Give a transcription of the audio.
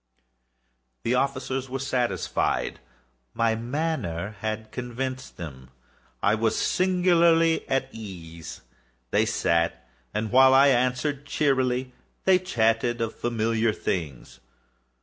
The officers were satisfied. My manner had convinced them. I was singularly at ease. They sat, and while I answered cheerily, they chatted of familiar things.